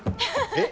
えっ？